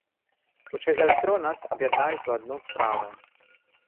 Хутчэй за ўсё, нас аб'яднаюць у адну справу.